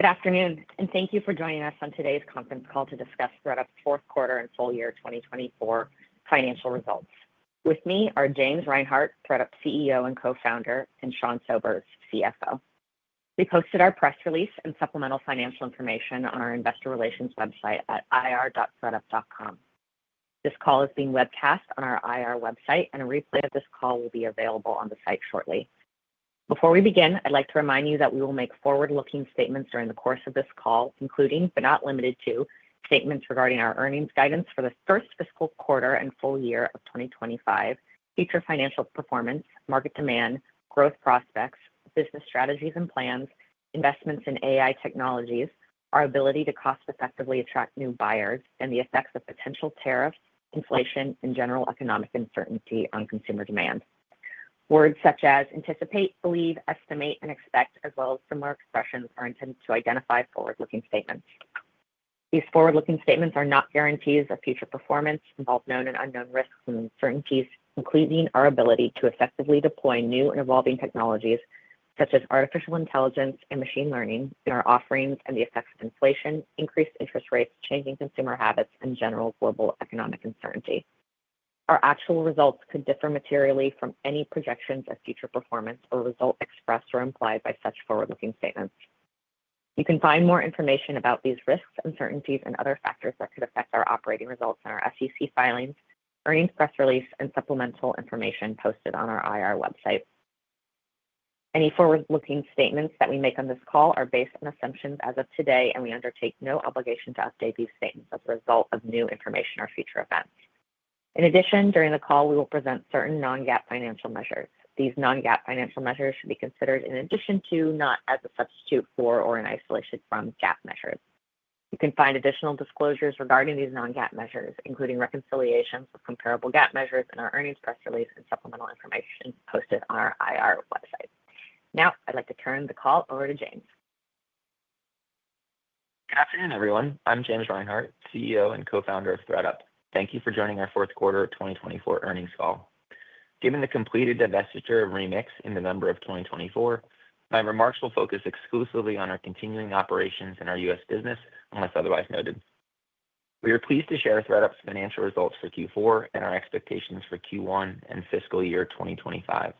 Good afternoon, and thank you for joining us on today's conference call to discuss ThredUp's fourth quarter and full year 2024 financial results. With me are James Reinhart, ThredUp CEO and co-founder, and Sean Sobers, CFO. We posted our press release and supplemental financial information on our investor relations website at ir.thredup.com. This call is being webcast on our IR website, and a replay of this call will be available on the site shortly. Before we begin, I'd like to remind you that we will make forward-looking statements during the course of this call, including, but not limited to, statements regarding our earnings guidance for the first fiscal quarter and full year of 2025, future financial performance, market demand, growth prospects, business strategies and plans, investments in AI technologies, our ability to cost-effectively attract new buyers, and the effects of potential tariffs, inflation, and general economic uncertainty on consumer demand. Words such as anticipate, believe, estimate, and expect, as well as similar expressions, are intended to identify forward-looking statements. These forward-looking statements are not guarantees of future performance, involve known and unknown risks and uncertainties, including our ability to effectively deploy new and evolving technologies such as artificial intelligence and machine learning in our offerings and the effects of inflation, increased interest rates, changing consumer habits, and general global economic uncertainty. Our actual results could differ materially from any projections of future performance or result expressed or implied by such forward-looking statements. You can find more information about these risks, uncertainties, and other factors that could affect our operating results in our SEC filings, earnings press release, and supplemental information posted on our IR website. Any forward-looking statements that we make on this call are based on assumptions as of today, and we undertake no obligation to update these statements as a result of new information or future events. In addition, during the call, we will present certain non-GAAP financial measures. These non-GAAP financial measures should be considered in addition to, not as a substitute for or in isolation from GAAP measures. You can find additional disclosures regarding these non-GAAP measures, including reconciliations of comparable GAAP measures in our earnings press release and supplemental information posted on our IR website. Now, I'd like to turn the call over to James. Good afternoon, everyone. I'm James Reinhart, CEO and co-founder of ThredUp. Thank you for joining our fourth quarter 2024 earnings call. Given the completed divestiture of Remix in November of 2024, my remarks will focus exclusively on our continuing operations in our U.S. business, unless otherwise noted. We are pleased to share ThredUp's financial results for Q4 and our expectations for Q1 and fiscal year 2025.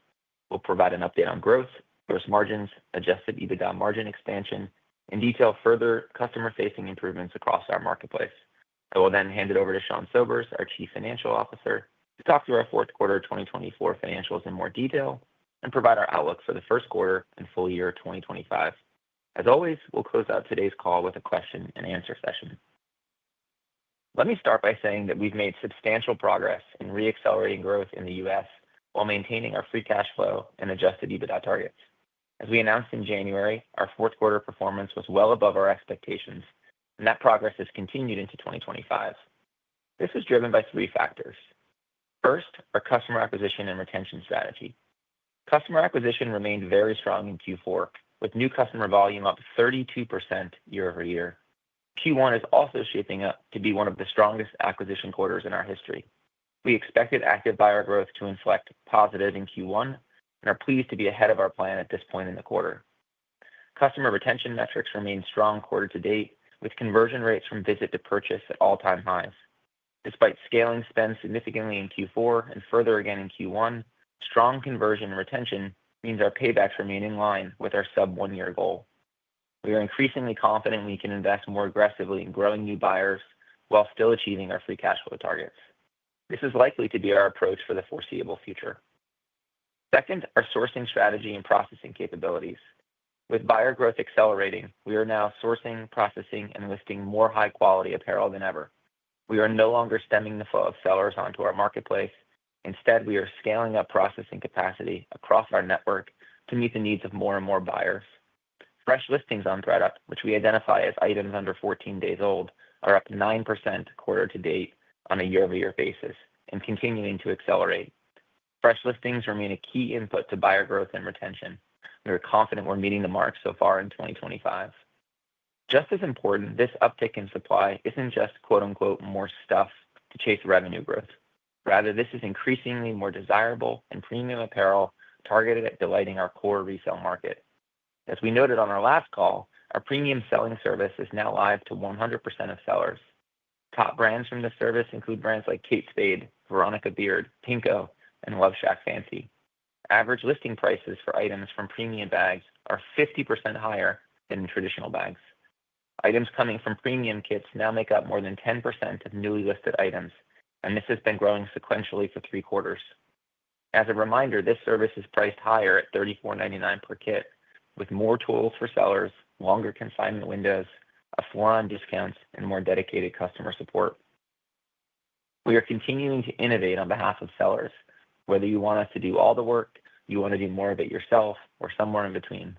We'll provide an update on growth, gross margins, adjusted EBITDA margin expansion, and detail further customer-facing improvements across our marketplace. I will then hand it over to Sean Sobers, our Chief Financial Officer, to talk through our fourth quarter 2024 financials in more detail and provide our outlook for the first quarter and full year 2025. As always, we'll close out today's call with a question-and-answer session. Let me start by saying that we've made substantial progress in re-accelerating growth in the U.S. while maintaining our free cash flow and adjusted EBITDA targets. As we announced in January, our fourth quarter performance was well above our expectations, and that progress has continued into 2025. This was driven by three factors. First, our customer acquisition and retention strategy. Customer acquisition remained very strong in Q4, with new customer volume up 32% year-over-year. Q1 is also shaping up to be one of the strongest acquisition quarters in our history. We expected active buyer growth to inflect positive in Q1 and are pleased to be ahead of our plan at this point in the quarter. Customer retention metrics remain strong quarter to date, with conversion rates from visit to purchase at all-time highs. Despite scaling spend significantly in Q4 and further again in Q1, strong conversion retention means our paybacks remain in line with our sub-one-year goal. We are increasingly confident we can invest more aggressively in growing new buyers while still achieving our free cash flow targets. This is likely to be our approach for the foreseeable future. Second, our sourcing strategy and processing capabilities. With buyer growth accelerating, we are now sourcing, processing, and listing more high-quality apparel than ever. We are no longer stemming the flow of sellers onto our marketplace. Instead, we are scaling up processing capacity across our network to meet the needs of more and more buyers. Fresh listings on ThredUp, which we identify as items under 14 days old, are up 9% quarter to date on a year-over-year basis and continuing to accelerate. Fresh listings remain a key input to buyer growth and retention. We're confident we're meeting the marks so far in 2025. Just as important, this uptick in supply isn't just "more stuff" to chase revenue growth. Rather, this is increasingly more desirable and premium apparel targeted at delighting our core resale market. As we noted on our last call, our premium selling service is now live to 100% of sellers. Top brands from this service include brands like Kate Spade, Veronica Beard, Pinko, and Love Shack Fancy. Average listing prices for items from premium bags are 50% higher than traditional bags. Items coming from premium kits now make up more than 10% of newly listed items, and this has been growing sequentially for three quarters. As a reminder, this service is priced higher at $34.99 per kit, with more tools for sellers, longer consignment windows, a floor on discounts, and more dedicated customer support. We are continuing to innovate on behalf of sellers, whether you want us to do all the work, you want to do more of it yourself, or somewhere in between.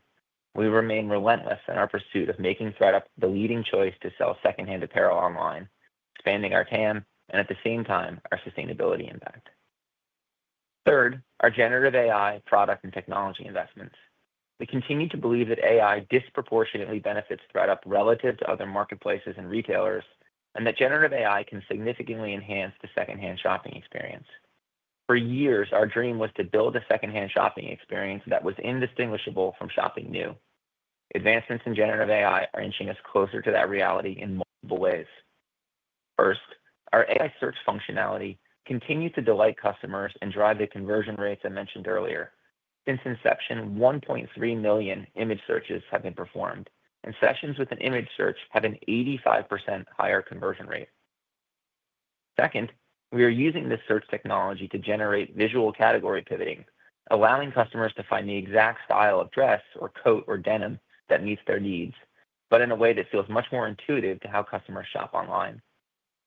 We remain relentless in our pursuit of making ThredUp the leading choice to sell secondhand apparel online, expanding our TAM and, at the same time, our sustainability impact. Third, our generative AI product and technology investments. We continue to believe that AI disproportionately benefits ThredUp relative to other marketplaces and retailers and that generative AI can significantly enhance the secondhand shopping experience. For years, our dream was to build a secondhand shopping experience that was indistinguishable from shopping new. Advancements in generative AI are inching us closer to that reality in multiple ways. First, our AI search functionality continues to delight customers and drive the conversion rates I mentioned earlier. Since inception, 1.3 million image searches have been performed, and sessions with an image search have an 85% higher conversion rate. Second, we are using this search technology to generate visual category pivoting, allowing customers to find the exact style of dress or coat or denim that meets their needs, but in a way that feels much more intuitive to how customers shop online.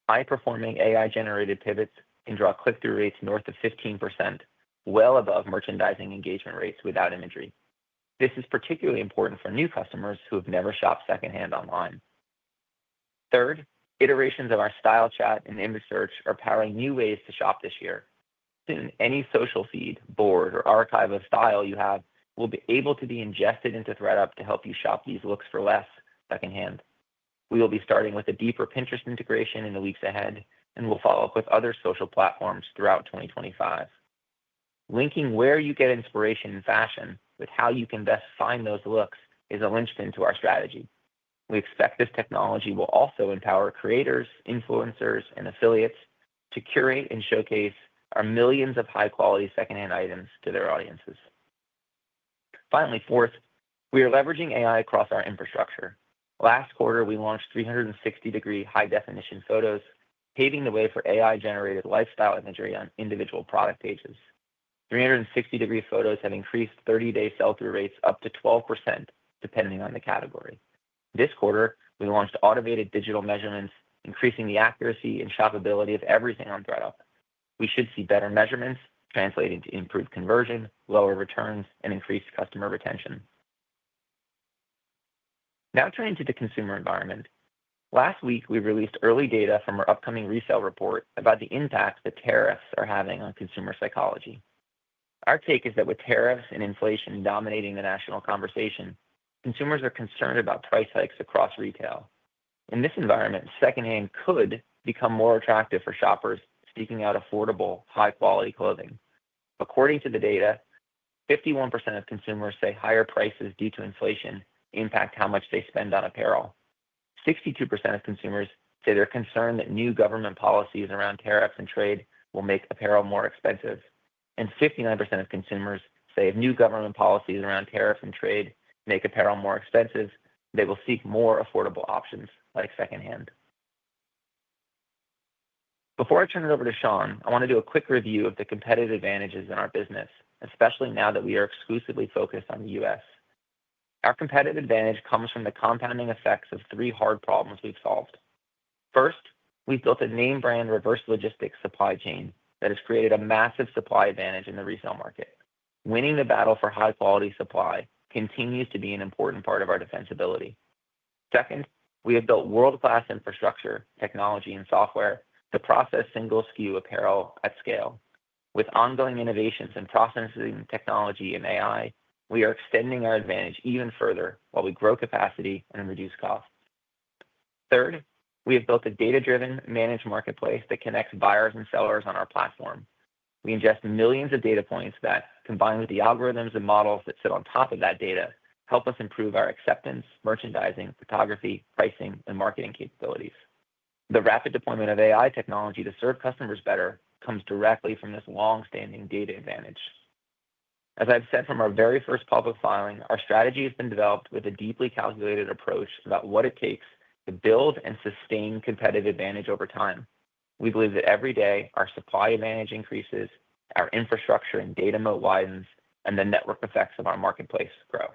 High-performing AI-generated pivots can draw click-through rates north of 15%, well above merchandising engagement rates without imagery. This is particularly important for new customers who have never shopped secondhand online. Third, iterations of our style chat and image search are powering new ways to shop this year. Soon, any social feed, board, or archive of style you have will be able to be ingested into ThredUp to help you shop these looks for less secondhand. We will be starting with a deeper Pinterest integration in the weeks ahead, and we'll follow up with other social platforms throughout 2025. Linking where you get inspiration in fashion with how you can best find those looks is a linchpin to our strategy. We expect this technology will also empower creators, influencers, and affiliates to curate and showcase our millions of high-quality secondhand items to their audiences. Finally, fourth, we are leveraging AI across our infrastructure. Last quarter, we launched 360-degree high-definition photos, paving the way for AI-generated lifestyle imagery on individual product pages. 360-degree photos have increased 30-day sell-through rates up to 12%, depending on the category. This quarter, we launched automated digital measurements, increasing the accuracy and shoppability of everything on ThredUp. We should see better measurements translating to improved conversion, lower returns, and increased customer retention. Now, turning to the consumer environment. Last week, we released early data from our upcoming resale report about the impact that tariffs are having on consumer psychology. Our take is that with tariffs and inflation dominating the national conversation, consumers are concerned about price hikes across retail. In this environment, secondhand could become more attractive for shoppers seeking out affordable, high-quality clothing. According to the data, 51% of consumers say higher prices due to inflation impact how much they spend on apparel. 62% of consumers say they're concerned that new government policies around tariffs and trade will make apparel more expensive. 59% of consumers say if new government policies around tariffs and trade make apparel more expensive, they will seek more affordable options like secondhand. Before I turn it over to Sean, I want to do a quick review of the competitive advantages in our business, especially now that we are exclusively focused on the U.S. Our competitive advantage comes from the compounding effects of three hard problems we've solved. First, we've built a name-brand reverse logistics supply chain that has created a massive supply advantage in the resale market. Winning the battle for high-quality supply continues to be an important part of our defensibility. Second, we have built world-class infrastructure, technology, and software to process single-SKU apparel at scale. With ongoing innovations in processing technology and AI, we are extending our advantage even further while we grow capacity and reduce costs. Third, we have built a data-driven, managed marketplace that connects buyers and sellers on our platform. We ingest millions of data points that, combined with the algorithms and models that sit on top of that data, help us improve our acceptance, merchandising, photography, pricing, and marketing capabilities. The rapid deployment of AI technology to serve customers better comes directly from this long-standing data advantage. As I've said from our very first public filing, our strategy has been developed with a deeply calculated approach about what it takes to build and sustain competitive advantage over time. We believe that every day our supply advantage increases, our infrastructure and data moat widens, and the network effects of our marketplace grow.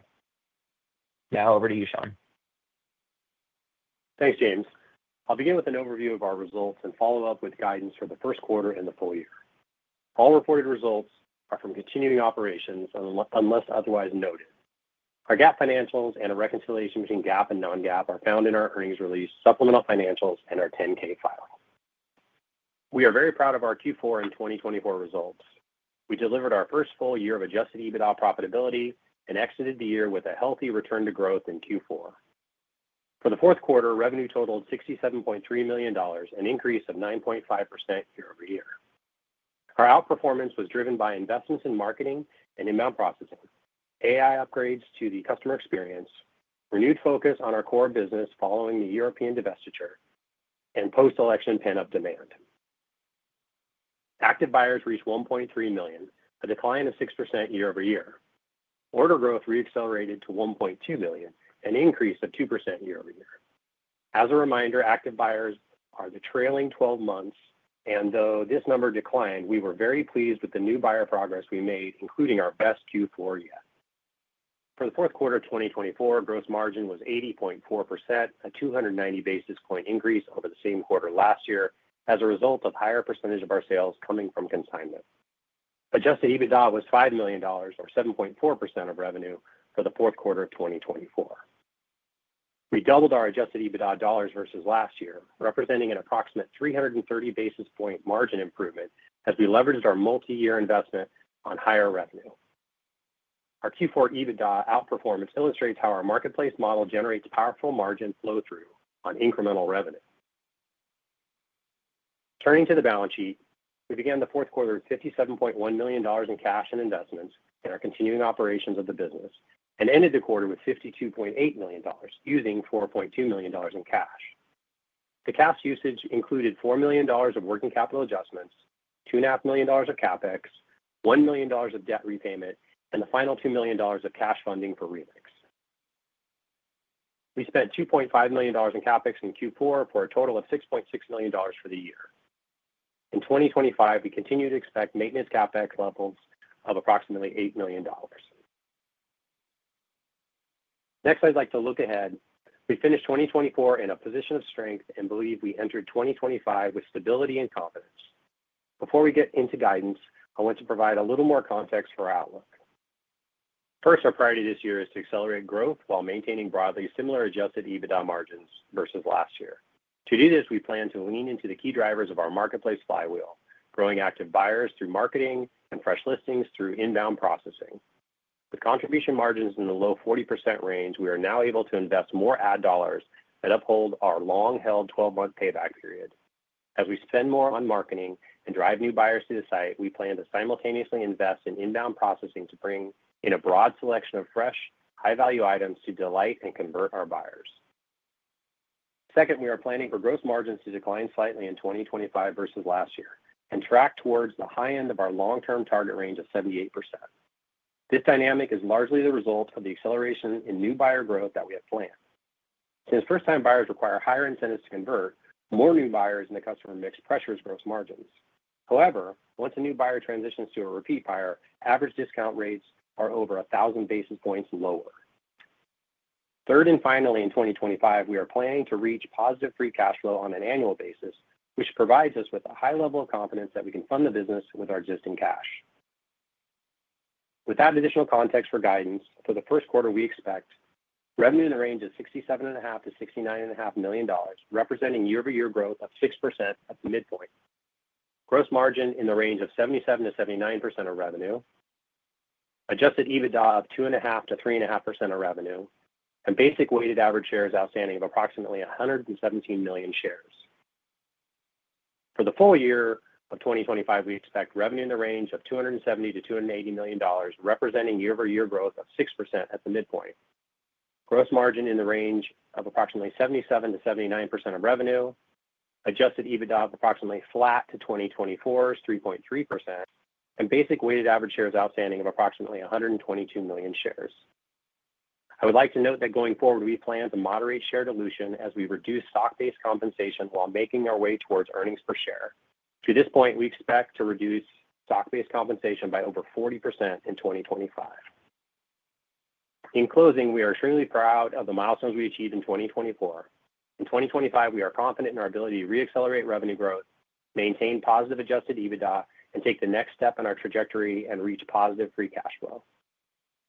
Now, over to you, Sean. Thanks, James. I'll begin with an overview of our results and follow up with guidance for the first quarter and the full year. All reported results are from continuing operations unless otherwise noted. Our GAAP financials and a reconciliation between GAAP and non-GAAP are found in our earnings release, supplemental financials, and our 10-K filing. We are very proud of our Q4 and 2024 results. We delivered our first full year of adjusted EBITDA profitability and exited the year with a healthy return to growth in Q4. For the fourth quarter, revenue totaled $67.3 million, an increase of 9.5% year-over-year. Our outperformance was driven by investments in marketing and inbound processing, AI upgrades to the customer experience, renewed focus on our core business following the European divestiture, and post-election pan-up demand. Active buyers reached 1.3 million, a decline of 6% year-over-year. Order growth re-accelerated to 1.2 million and increased 2% year-over-year. As a reminder, active buyers are the trailing 12 months, and though this number declined, we were very pleased with the new buyer progress we made, including our best Q4 yet. For the fourth quarter of 2024, gross margin was 80.4%, a 290 basis point increase over the same quarter last year as a result of a higher percentage of our sales coming from consignment. Adjusted EBITDA was $5 million, or 7.4% of revenue for the fourth quarter of 2024. We doubled our adjusted EBITDA dollars versus last year, representing an approximate 330 basis point margin improvement as we leveraged our multi-year investment on higher revenue. Our Q4 EBITDA outperformance illustrates how our marketplace model generates powerful margin flow-through on incremental revenue. Turning to the balance sheet, we began the fourth quarter with $57.1 million in cash and investments in our continuing operations of the business and ended the quarter with $52.8 million, using $4.2 million in cash. The cash usage included $4 million of working capital adjustments, $2.5 million of CapEx, $1 million of debt repayment, and the final $2 million of cash funding for Remix. We spent $2.5 million in CapEx in Q4 for a total of $6.6 million for the year. In 2025, we continue to expect maintenance CapEx levels of approximately $8 million. Next, I'd like to look ahead. We finished 2024 in a position of strength and believe we entered 2025 with stability and confidence. Before we get into guidance, I want to provide a little more context for our outlook. First, our priority this year is to accelerate growth while maintaining broadly similar adjusted EBITDA margins versus last year. To do this, we plan to lean into the key drivers of our marketplace flywheel, growing active buyers through marketing and fresh listings through inbound processing. With contribution margins in the low 40% range, we are now able to invest more ad dollars and uphold our long-held 12-month payback period. As we spend more on marketing and drive new buyers to the site, we plan to simultaneously invest in inbound processing to bring in a broad selection of fresh, high-value items to delight and convert our buyers. Second, we are planning for gross margins to decline slightly in 2025 versus last year and track towards the high end of our long-term target range of 78%. This dynamic is largely the result of the acceleration in new buyer growth that we have planned. Since first-time buyers require higher incentives to convert, more new buyers in the customer mix pressures gross margins. However, once a new buyer transitions to a repeat buyer, average discount rates are over 1,000 basis points lower. Third and finally, in 2025, we are planning to reach positive free cash flow on an annual basis, which provides us with a high level of confidence that we can fund the business with our existing cash. With that additional context for guidance, for the first quarter, we expect revenue in the range of $67.5 million-$69.5 million, representing year-over-year growth of 6% at the midpoint, gross margin in the range of 77%-79% of revenue, adjusted EBITDA of 2.5%-3.5% of revenue, and basic weighted average shares outstanding of approximately 117 million shares. For the full year of 2025, we expect revenue in the range of $270 million-$280 million, representing year-over-year growth of 6% at the midpoint, gross margin in the range of approximately 77%-79% of revenue, adjusted EBITDA of approximately flat to 2024's 3.3%, and basic weighted average shares outstanding of approximately 122 million shares. I would like to note that going forward, we plan to moderate share dilution as we reduce stock-based compensation while making our way towards earnings per share. To this point, we expect to reduce stock-based compensation by over 40% in 2025. In closing, we are extremely proud of the milestones we achieved in 2024. In 2025, we are confident in our ability to re-accelerate revenue growth, maintain positive adjusted EBITDA, and take the next step in our trajectory and reach positive free cash flow.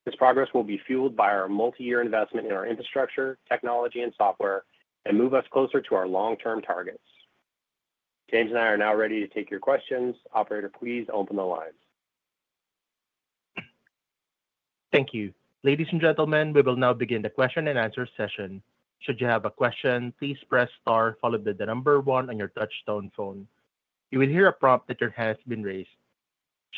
This progress will be fueled by our multi-year investment in our infrastructure, technology, and software and move us closer to our long-term targets. James and I are now ready to take your questions. Operator, please open the lines. Thank you. Ladies and gentlemen, we will now begin the question-and-answer session. Should you have a question, please press star, followed by the number one on your touch-tone phone. You will hear a prompt that your hand has been raised.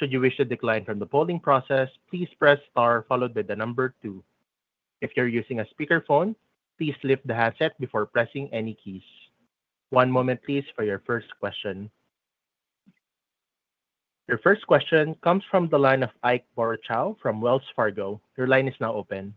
Should you wish to decline from the polling process, please press star, followed by the number two. If you're using a speakerphone, please lift the handset before pressing any keys. One moment, please, for your first question. Your first question comes from the line of Ike Boruchow from Wells Fargo. Your line is now open.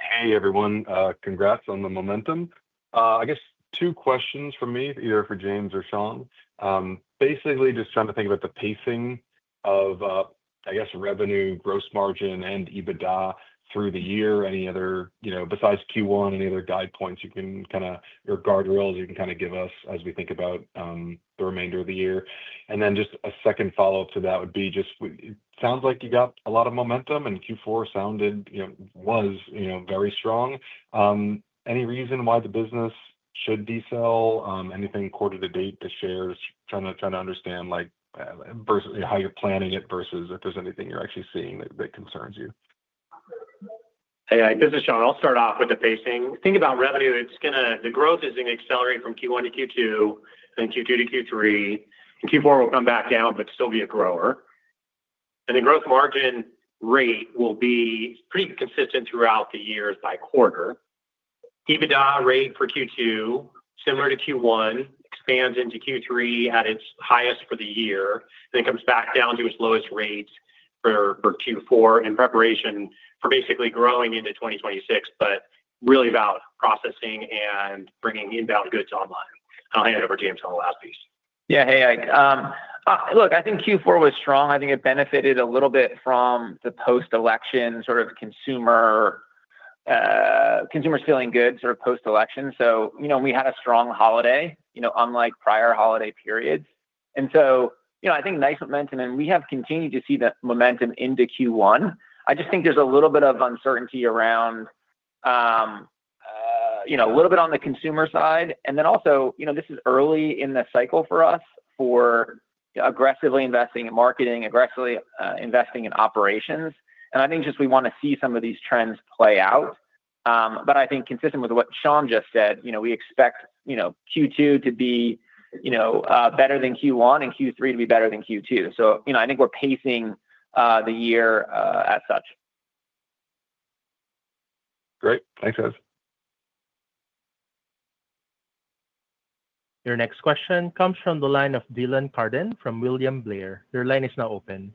Hey, everyone. Congrats on the momentum. I guess two questions for me, either for James or Sean. Basically, just trying to think about the pacing of, I guess, revenue, gross margin, and EBITDA through the year. Any other, you know, besides Q1, any other guide points you can kind of, your guardrails you can kind of give us as we think about the remainder of the year. Then just a second follow-up to that would be just, it sounds like you got a lot of momentum and Q4 sounded, you know, was, you know, very strong. Any reason why the business should desell? Anything quarter-to-date to shares? Trying to understand, like, versus how you're planning it versus if there's anything you're actually seeing that concerns you. Hey, I'm Sean. I'll start off with the pacing. Think about revenue. It's going to, the growth is going to accelerate from Q1 to Q2, then Q2 to Q3. Q4 will come back down, but still be a grower. The gross margin rate will be pretty consistent throughout the years by quarter. EBITDA rate for Q2, similar to Q1, expands into Q3 at its highest for the year, then comes back down to its lowest rate for Q4 in preparation for basically growing into 2026, but really about processing and bringing inbound goods online. I'll hand it over to James on the last piece. Yeah, hey, Ike, look, I think Q4 was strong. I think it benefited a little bit from the post-election sort of consumer, consumers feeling good sort of post-election. You know, we had a strong holiday, you know, unlike prior holiday periods. You know, I think nice momentum, and we have continued to see that momentum into Q1. I just think there's a little bit of uncertainty around, you know, a little bit on the consumer side. Also, you know, this is early in the cycle for us for aggressively investing in marketing, aggressively investing in operations. I think just we want to see some of these trends play out. I think consistent with what Sean just said, you know, we expect, you know, Q2 to be, you know, better than Q1 and Q3 to be better than Q2. I think we're pacing the year as such. Great. Thanks, guys. Your next question comes from the line of Dylan Carden from William Blair. Your line is now open.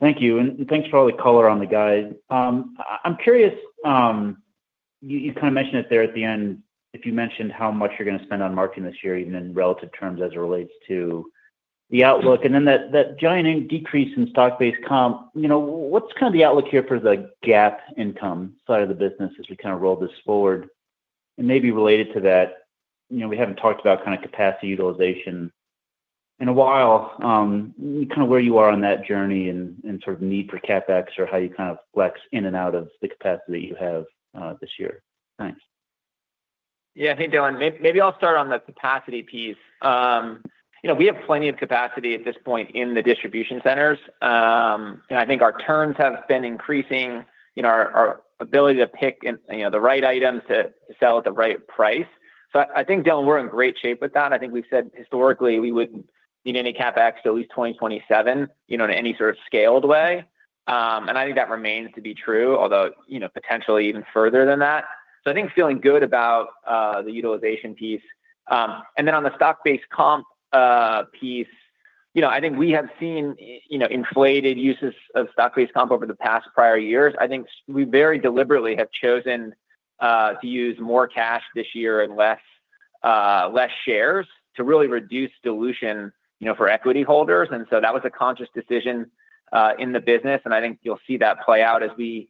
Thank you. Thanks for all the color on the guide. I'm curious, you kind of mentioned it there at the end, if you mentioned how much you're going to spend on marketing this year, even in relative terms as it relates to the outlook. That giant decrease in stock-based comp, you know, what's kind of the outlook here for the GAAP income side of the business as we kind of roll this forward? Maybe related to that, you know, we haven't talked about kind of capacity utilization in a while. Kind of where you are on that journey and sort of need for CapEx or how you kind of flex in and out of the capacity that you have this year. Thanks. Yeah, hey, Dylan, maybe I'll start on the capacity piece. You know, we have plenty of capacity at this point in the distribution centers. I think our turns have been increasing, you know, our ability to pick, you know, the right items to sell at the right price. I think, Dylan, we're in great shape with that. I think we've said historically we would need any CapEx to at least 2027, you know, in any sort of scaled way. I think that remains to be true, although, you know, potentially even further than that. I think feeling good about the utilization piece. On the stock-based comp piece, you know, I think we have seen, you know, inflated uses of stock-based comp over the past prior years. I think we very deliberately have chosen to use more cash this year and less shares to really reduce dilution, you know, for equity holders. That was a conscious decision in the business. I think you'll see that play out as we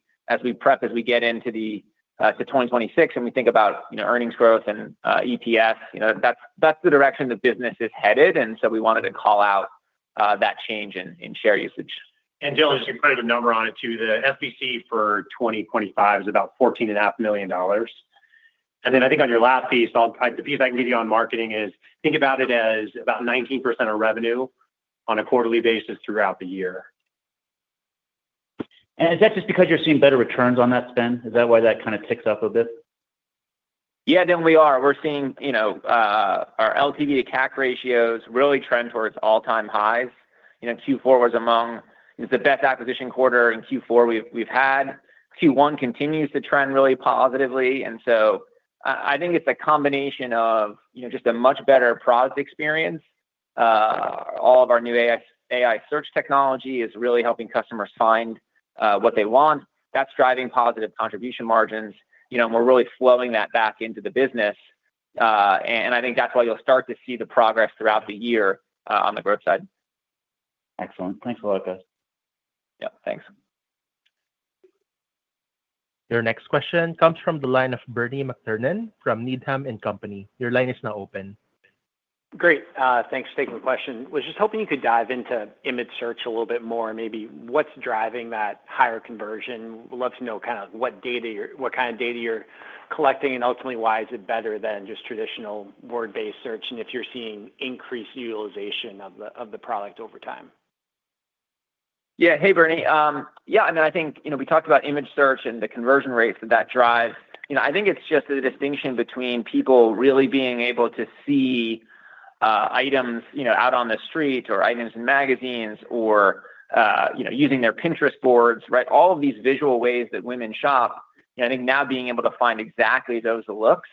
prep, as we get into 2026 and we think about, you know, earnings growth and EPS. You know, that's the direction the business is headed. We wanted to call out that change in share usage. And James, just to put a number on it too, the SBC for 2025 is about $14.5 million. I think on your last piece, the piece I can give you on marketing is think about it as about 19% of revenue on a quarterly basis throughout the year. Is that just because you're seeing better returns on that spend? Is that why that kind of ticks up a bit? Yeah, Dylan, we are. We're seeing, you know, our LTV to CAC ratios really trend towards all-time highs. You know, Q4 was among, it's the best acquisition quarter in Q4 we've had. Q1 continues to trend really positively. I think it's a combination of, you know, just a much better product experience. All of our new AI search technology is really helping customers find what they want. That's driving positive contribution margins. You know, we're really flowing that back into the business. I think that's why you'll start to see the progress throughout the year on the growth side. Excellent. Thanks a lot, guys. Yep, thanks. Your next question comes from the line of Bernie McTernan from Needham & Company. Your line is now open. Great. Thanks for taking the question. Was just hoping you could dive into image search a little bit more, maybe what's driving that higher conversion. We'd love to know kind of what data, what kind of data you're collecting and ultimately why is it better than just traditional word-based search and if you're seeing increased utilization of the product over time. Yeah, hey, Bernie. Yeah, I mean, I think, you know, we talked about image search and the conversion rates that that drives. You know, I think it's just the distinction between people really being able to see items, you know, out on the street or items in magazines or, you know, using their Pinterest boards, right? All of these visual ways that women shop, you know, I think now being able to find exactly those looks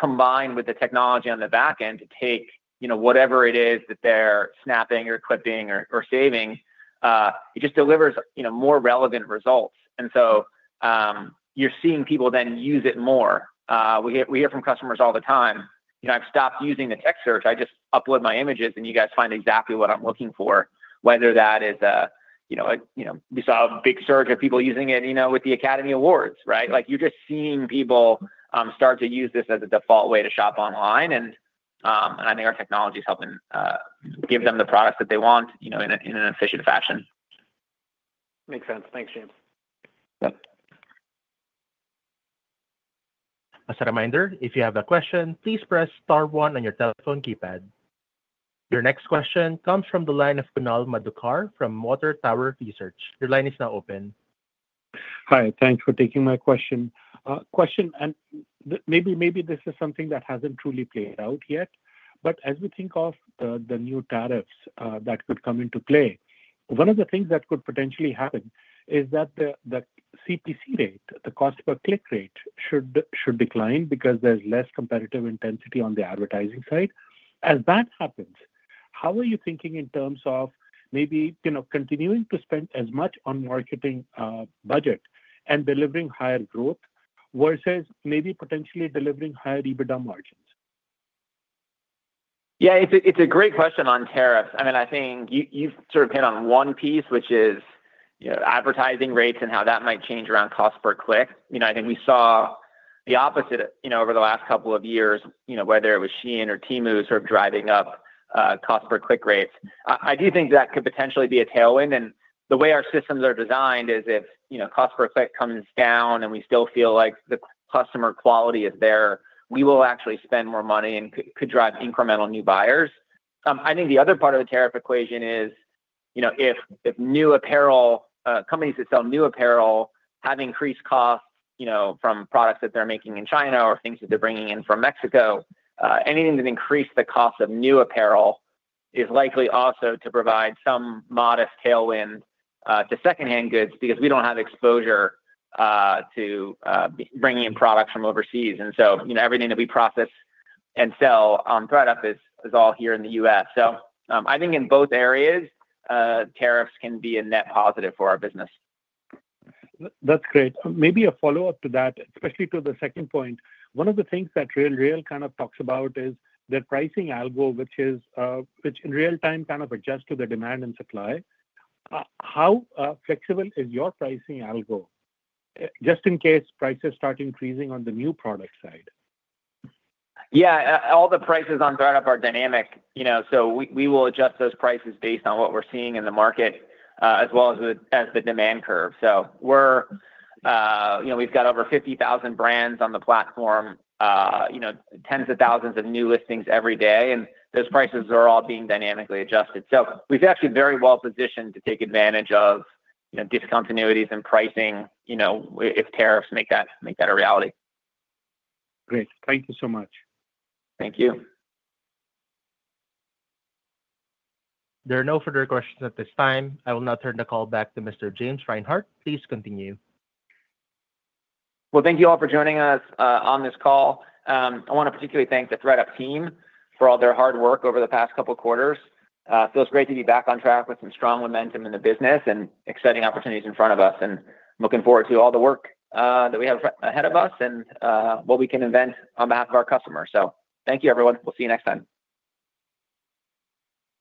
combined with the technology on the back end to take, you know, whatever it is that they're snapping or clipping or saving, it just delivers, you know, more relevant results. You are seeing people then use it more. We hear from customers all the time, you know, I've stopped using the tech search. I just upload my images and you guys find exactly what I'm looking for, whether that is a, you know, you know, we saw a big surge of people using it, you know, with the Academy Awards, right? Like you're just seeing people start to use this as a default way to shop online. I think our technology is helping give them the products that they want, you know, in an efficient fashion. Makes sense. Thanks, James. As a reminder, if you have a question, please press star one on your telephone keypad. Your next question comes from the line of Kunal Madhukar from Water Tower Research. Your line is now open. Hi, thanks for taking my question. Question, and maybe this is something that hasn't truly played out yet, but as we think of the new tariffs that could come into play, one of the things that could potentially happen is that the CPC rate, the cost per click rate, should decline because there's less competitive intensity on the advertising side. As that happens, how are you thinking in terms of maybe, you know, continuing to spend as much on marketing budget and delivering higher growth versus maybe potentially delivering higher EBITDA margins? Yeah, it's a great question on tariffs. I mean, I think you've sort of hit on one piece, which is, you know, advertising rates and how that might change around cost per click. You know, I think we saw the opposite, you know, over the last couple of years, whether it was Shein or Temu sort of driving up cost per click rates. I do think that could potentially be a tailwind. The way our systems are designed is if, you know, cost per click comes down and we still feel like the customer quality is there, we will actually spend more money and could drive incremental new buyers. I think the other part of the tariff equation is, you know, if new apparel, companies that sell new apparel have increased costs, you know, from products that they're making in China or things that they're bringing in from Mexico, anything that increased the cost of new apparel is likely also to provide some modest tailwind to secondhand goods because we don't have exposure to bringing in products from overseas. You know, everything that we process and sell on ThredUp is all here in the U.S. I think in both areas, tariffs can be a net positive for our business. That's great. Maybe a follow-up to that, especially to the second point. One of the things that RealReal kind of talks about is their pricing algo, which in real time kind of adjusts to the demand and supply. How flexible is your pricing algo, just in case prices start increasing on the new product side? Yeah, all the prices on ThredUp are dynamic, you know, so we will adjust those prices based on what we're seeing in the market as well as the demand curve. We're, you know, we've got over 50,000 brands on the platform, you know, tens of thousands of new listings every day, and those prices are all being dynamically adjusted. We've actually been very well positioned to take advantage of, you know, discontinuities in pricing, you know, if tariffs make that a reality. Great. Thank you so much. Thank you. There are no further questions at this time. I will now turn the call back to Mr. James Reinhart. Please continue. Thank you all for joining us on this call. I want to particularly thank the ThredUp team for all their hard work over the past couple of quarters. Feels great to be back on track with some strong momentum in the business and exciting opportunities in front of us. I am looking forward to all the work that we have ahead of us and what we can invent on behalf of our customers. Thank you, everyone. We will see you next time.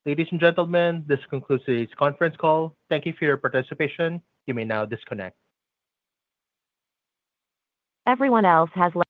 Ladies and gentlemen, this concludes today's conference call. Thank you for your participation. You may now disconnect. Everyone else has left.